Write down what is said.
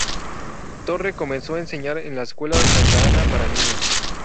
Torre comenzó a enseñar en la escuela Santa Ana para niñas.